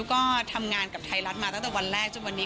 ก็ทำงานกับไทยรัฐมาตั้งแต่วันแรกจนวันนี้